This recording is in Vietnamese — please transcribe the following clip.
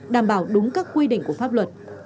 đảm bảo đúng các quy định của pháp luật